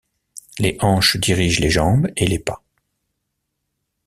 Les hanches dirigent les jambes et les pas.